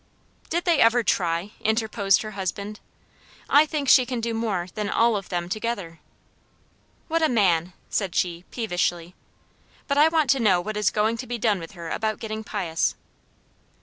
"Did they ever try?" interposed her husband. "I think she can do more than all of them together." "What a man!" said she, peevishly. "But I want to know what is going to be done with her about getting pious?"